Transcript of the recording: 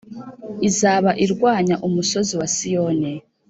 izaba irwanya umusozi wa Siyoni.